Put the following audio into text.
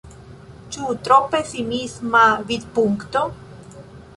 Ĉu tro pesimisma vidpunkto?